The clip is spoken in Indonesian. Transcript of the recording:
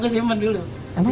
agus iman dulu